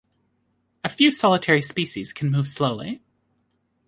A few solitary species can move slowly.